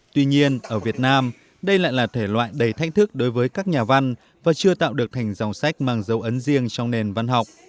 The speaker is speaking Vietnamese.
tuy nhiên ở việt nam đây lại là thể loại đầy thách thức đối với các nhà văn và chưa tạo được thành dòng sách mang dấu ấn riêng trong nền văn học